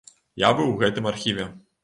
Я быў у гэтым архіве.